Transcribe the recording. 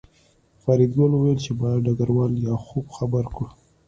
فریدګل وویل چې باید ډګروال لیاخوف خبر کړو